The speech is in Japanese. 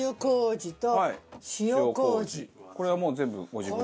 これはもう全部ご自分で。